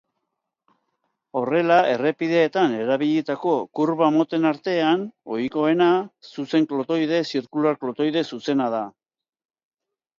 Horrela, errepideetan erabilitako kurba moten artean, ohikoena zuzen-klotoide-zirkular-klotoide-zuzena da.